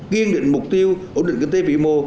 kiên định mục tiêu ổn định kinh tế vĩ mô